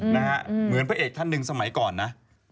เหมือนพระเอกท่านหนึ่งสมัยก่อนนะ